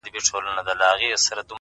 اې این پي یوه سیکیولر سیاسي پارټي وه